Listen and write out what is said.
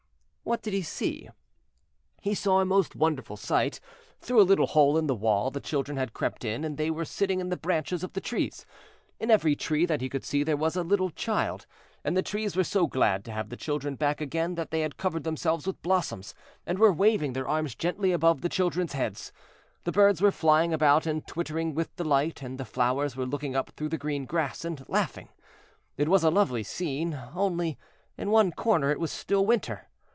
What did he see? He saw a most wonderful sight. Through a little hole in the wall the children had crept in, and they were sitting in the branches of the trees. In every tree that he could see there was a little child. And the trees were so glad to have the children back again that they had covered themselves with blossoms, and were waving their arms gently above the children's heads. The birds were flying about and twittering with delight, and the flowers were looking up through the green grass and laughing. It was a lovely scene, only in one corner it was still winter.